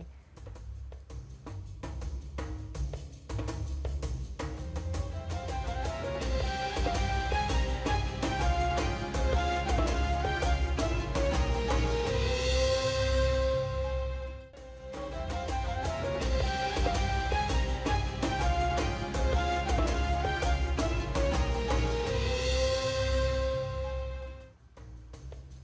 terima kasih bapak bapak